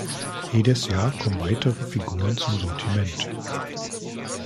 Jedes Jahr kommen weitere Figuren zum Sortiment.